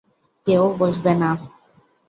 কেউ বসবে না।